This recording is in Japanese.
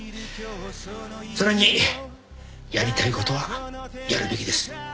それにやりたいことはやるべきです。